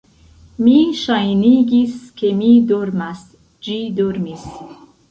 Mi ŝajnigis, ke mi dormas; ĝi dormis.